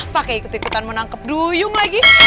pakai ikut ikutan mau nangkep duyung lagi